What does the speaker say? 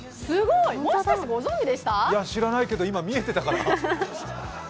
いや知らないけど、今、見えてたから。